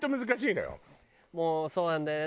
もうそうなんだよね。